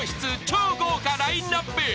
超豪華ラインアップ］